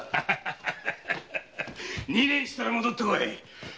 二年したら戻って来い。